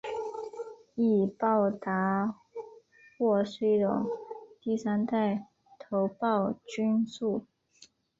头孢达肟是一种第三代头孢菌素。